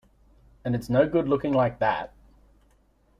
And it's no good looking like that.